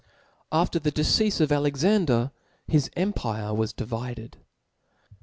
After the deceafe of Alexander his empire was divided.